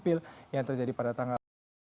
kurang lebih seperti begitu